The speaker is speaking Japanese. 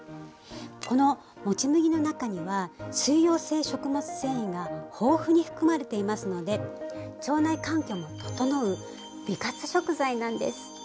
このもち麦の中には水溶性食物繊維が豊富に含まれていますので腸内環境も整う美活食材なんです。